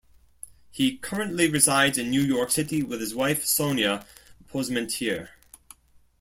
He currently resides in New York City with his wife Sonya Posmentier.